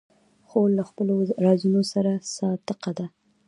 خور له خپلو رازونو سره صادقه ده.